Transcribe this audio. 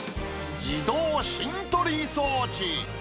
自動芯取り装置。